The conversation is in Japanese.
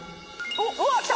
うわっきた！